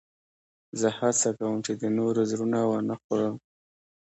زه هڅه کوم، چي د نورو زړونه و نه خورم.